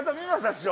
師匠！